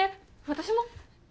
私も？